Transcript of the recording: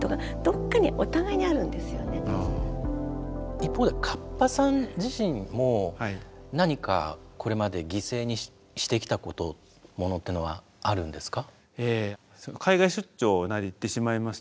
一方ではカッパさん自身も何かこれまで犠牲にしてきたことものっていうのはあるんですか？